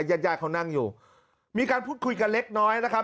ญาติญาติเขานั่งอยู่มีการพูดคุยกันเล็กน้อยนะครับ